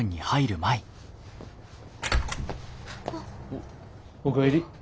おっお帰り。